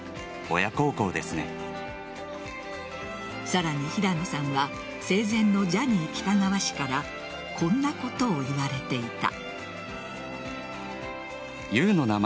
さらに、平野さんは生前のジャニー喜多川氏からこんなことを言われていた。